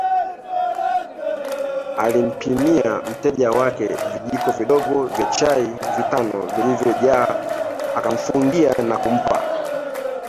Alimpimia mteja wake vijiko vidogo vya chai vitano vilivyojaa akamfungia na kumpa